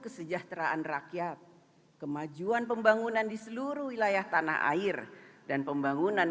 kesejahteraan rakyat kemajuan pembangunan di seluruh wilayah tanah air dan pembangunan